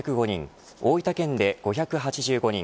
大分県で５８５人